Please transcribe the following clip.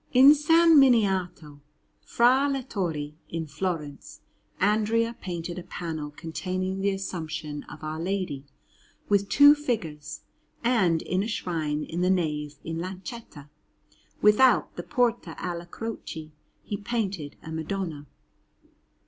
In S. Miniato fra le Torri in Florence Andrea painted a panel containing the Assumption of Our Lady, with two figures; and in a shrine in the Nave a Lanchetta, without the Porta alla Croce, he painted a Madonna.